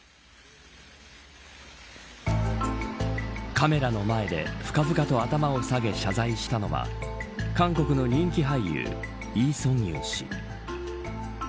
カメラの前で深々と頭を下げ謝罪したのは韓国の人気俳優イ・ソンギュン氏。